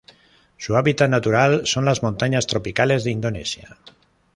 Su hábitat natural son las montañas tropicales de Indonesia.